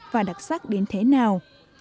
và đặc sắc đến thế nào